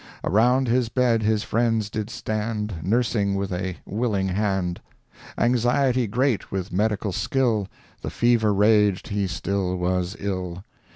Around his bed his friends did stand, Nursing with a willing hand; Anxiety great with medical skill, The fever raged he still was ill.